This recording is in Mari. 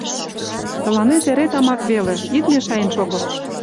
— Тыланет эре тамак веле, ит мешаен шого.